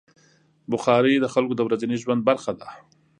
بخاري د خلکو د ورځني ژوند برخه ده.